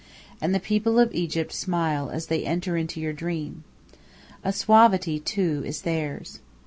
And the people of Egypt smile as they enter into your dream. A suavity, too, is theirs.